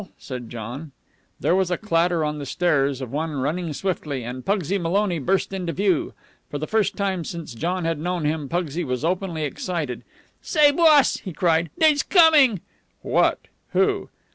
said John. There was a clatter on the stairs of one running swiftly, and Pugsy Maloney burst into view. For the first time since John had known him, Pugsy was openly excited. "Say, boss," he cried, "dey's coming!" "What? Who?"